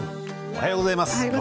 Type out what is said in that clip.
おはようございます。